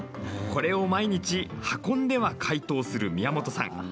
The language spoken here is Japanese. これを毎日運んでは解凍する宮本さん。